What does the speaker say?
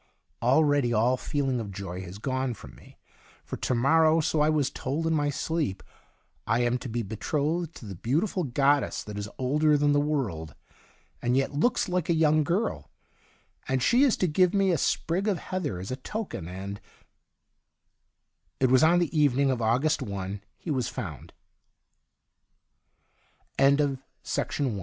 Already all feeling of joy has gone from me, for to mor row, so I was told in ray sleep, I am to be betrothed to the beautiful goddess that is older than the world, and yetlooks like a young girl, and she is to give me a sprig of heather as a token and It was on the evening of August 1 h